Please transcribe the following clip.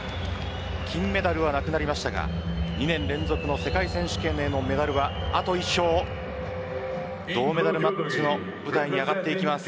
金メダルはなくなりましたが２年連続の世界選手権へのメダルはあと１勝です。